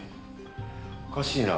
おかしいな。